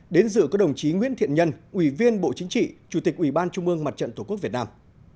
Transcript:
đến dự có đồng chí nguyễn thiện nhân ủy viên bộ chính trị chủ tịch ủy ban trung mương mặt trận tổ quốc việt nam